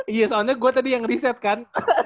iya soalnya gue tadi yang riset kan